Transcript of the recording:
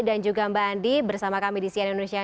dan juga mbak andi bersama kami di sian indonesia